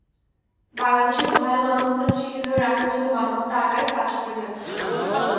বাংলাদেশের ভয়াল গণহত্যার স্মৃতি ধরে রাখার জন্য গণহত্যা আর্কাইভ কাজ করে যাচ্ছে।